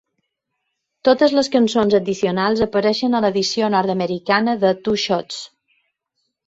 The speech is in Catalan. Totes les cançons addicionals apareixen a l'edició nord-americana de "Two Shots".